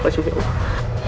anda sangat mengenali siapa diri